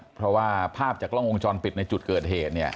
เพราะว่าภาพจากกล้องวงจรปิดในจุดเกิดเหตุเนี่ย